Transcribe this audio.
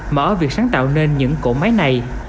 mà ở việc sáng tạo nên những cỗ máy này